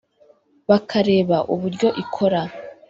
bakareba uburyo ikora